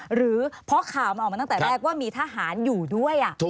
หรือเพราะข่าวมันออกมาตั้งแต่แรกว่ามีทหารอยู่ด้วย